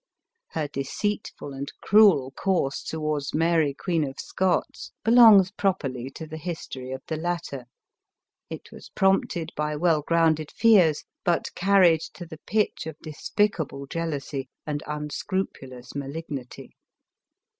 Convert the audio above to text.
Her deceitful and cruel course towards Mary, Queen of Scots, belongs properly to the history of the latter ; it was prompted by well grounded fears, but carried to the pitch of despicable jealousy and unscrupulous malignity.